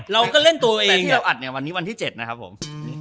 แต่ที่เราอัดวันนี้วันที่๗นะครับผม